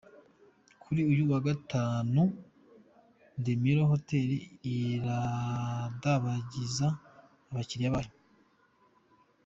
Kuri uyu wa Gatanu The Mirror Hotel iradabagiza abakiriya bayo.